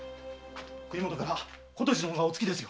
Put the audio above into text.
国元から琴路殿がお着きです。